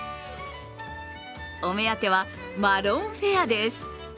お目当ては、マロンフェアです。